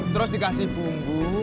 terus dikasih bumbu